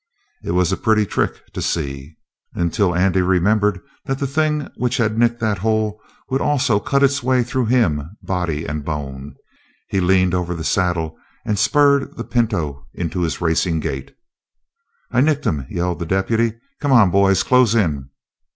It was a pretty trick to see, until Andy remembered that the thing which had nicked that hole would also cut its way through him, body and bone. He leaned over the saddle and spurred the pinto into his racing gait. "I nicked him!" yelled the deputy. "Come on, boys! Close in!"